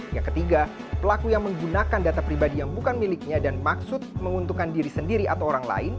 yang ketiga pelaku yang menggunakan data pribadi yang bukan miliknya dan maksud menguntungkan diri sendiri atau orang lain